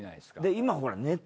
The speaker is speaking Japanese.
今ほら。